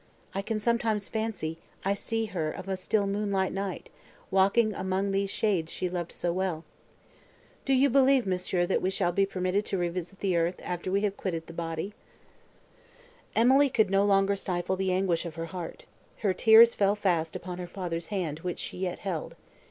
I can sometimes almost fancy I see her of a still moonlight night, walking among these shades she loved so well. Do you believe, monsieur, that we shall be permitted to revisit the earth, after we have quitted the body?" Emily could no longer stifle the anguish of her heart; her tears fell fast upon her father's hand, which she yet held.